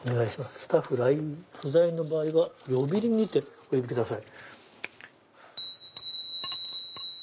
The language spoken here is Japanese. スタッフ不在の場合は呼び鈴にてお呼びください」。